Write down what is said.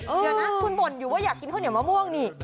เดี๋ยวนะคุณบ่นอยู่ว่าอยากกินข้าวเหนียวมะม่วงนี่